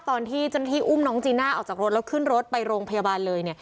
ตอนที่เจ้าหน้าที่อุ้มน้องจีน่าออกจากรถแล้วขึ้นรถไปโรงพยาบาลเลยเนี่ย